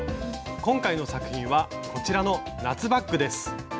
今回の作品はこちらの夏バッグです。